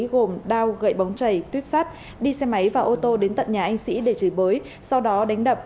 gồm đau gậy bóng chảy tuyếp sát đi xe máy và ô tô đến tận nhà anh sĩ để trừ bới sau đó đánh đập